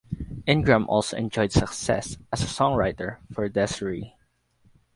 Ingram also enjoyed success as a songwriter for Des'ree.